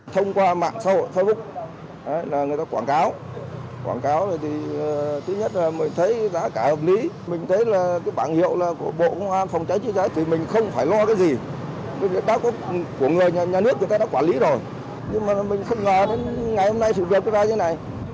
nhà nước đã quản lý rồi nhưng mà mình không ngờ đến ngày hôm nay sự việc sẽ ra như thế này